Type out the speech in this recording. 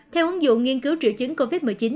theo ứng dụng nghiên cứu triệu chứng covid một mươi chín